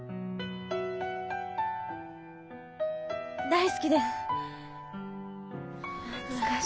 大好きです。